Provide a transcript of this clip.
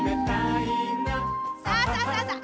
さあさあさあさあ。